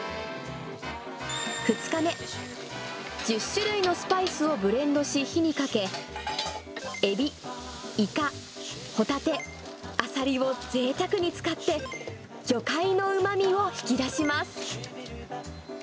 １０種類のスパイスをブレンドし火にかけ、エビ、イカ、ホタテ、アサリをぜいたくに使って、魚介のうまみを引き出します。